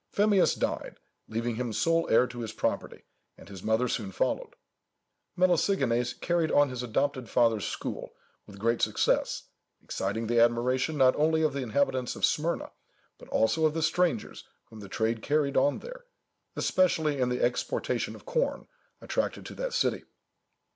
Phemius died, leaving him sole heir to his property, and his mother soon followed. Melesigenes carried on his adopted father's school with great success, exciting the admiration not only of the inhabitants of Smyrna, but also of the strangers whom the trade carried on there, especially in the exportation of corn, attracted to that city.